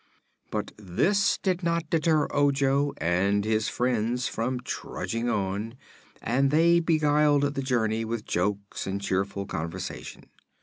But this did not deter Ojo and his friends from trudging on, and they beguiled the journey with jokes and cheerful conversation.